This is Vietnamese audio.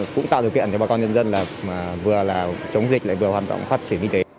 cũng tạo điều kiện cho bà con nhân dân là vừa là chống dịch lại vừa hoàn toàn phát triển y tế